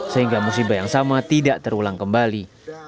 sehingga musibah yang sama tidak terulang kembali